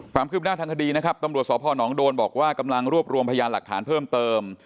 ความคืบหน้าทางคดีนะครับตำรวจสพนโดนบอกว่ากำลังรวบรวมพยานหลักฐานเพิ่มเติม